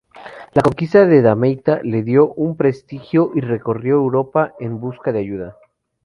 La conquista de Damieta le dio prestigio y recorrió Europa en busca de ayuda.